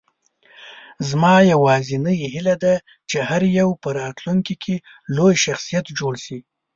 زما یوازینۍ هیله ده، چې هر یو په راتلونکې کې لوی شخصیت جوړ شي.